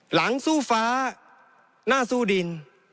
หลังสู้ฟ้าหน้าสู้ดิน